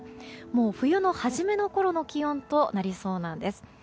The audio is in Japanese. もう冬の初めのころの気温となりそうなんです。